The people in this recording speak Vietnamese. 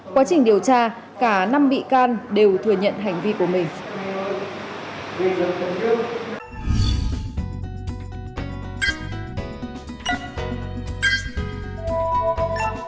quá trình điều tra cả năm bị can đều thừa nhận hành vi của mình